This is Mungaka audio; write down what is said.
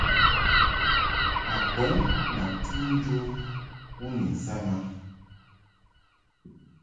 A bɔŋ ma tɨ njo u ni nsam a.